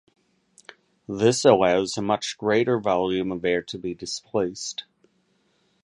This allows a much greater volume of air to be displaced.